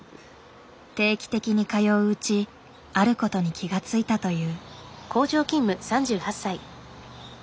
定期的に通ううちあることに気が付いたという。